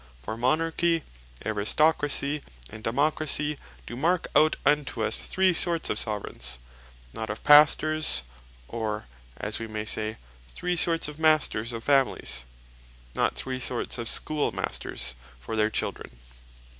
For Monarchy, Aristocracy, and Democracy, do mark out unto us three sorts of Soveraigns, not of Pastors; or, as we may say, three sorts of Masters of Families, not three sorts of Schoolmasters for their children.